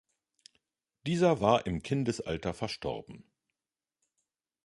Dieser war im Kindesalter verstorben.